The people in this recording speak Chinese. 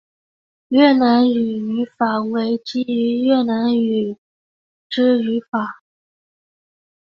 越南语语法为基于越南语之语法。